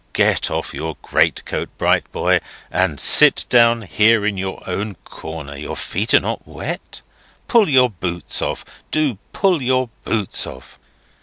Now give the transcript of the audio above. "Get off your greatcoat, bright boy, and sit down here in your own corner. Your feet are not wet? Pull your boots off. Do pull your boots off."